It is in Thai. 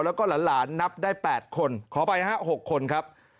แล้วก็หลานนับได้๘คนขออภัยฮะ๖คนครับ